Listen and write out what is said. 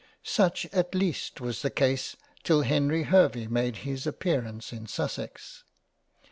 Such at least was the case till Henry Hervey made his appearance in Sussex.